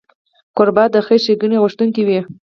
کوربه د خیر ښیګڼې غوښتونکی وي.